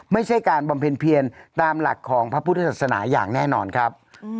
ไม่ใช่การบำเพ็ญเพียรตามหลักของพระพุทธศาสนาอย่างแน่นอนครับ